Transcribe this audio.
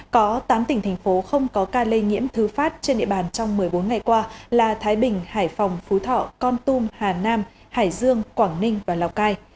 có tám tỉnh thành phố không có ca lây nhiễm thứ phát trên địa bàn trong một mươi bốn ngày qua là thái bình hải phòng phú thọ con tum hà nam hải dương quảng ninh và lào cai